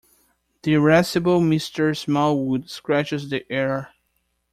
The irascible Mr. Smallwood scratches the air.